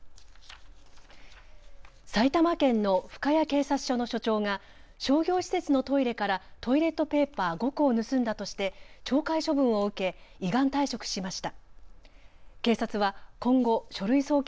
埼玉県の深谷警察署の署長が商業施設のトイレからトイレットペーパー５個を盗んだとして懲戒処分を受け依願退職しました。